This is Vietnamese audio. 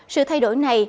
sự thay đổi này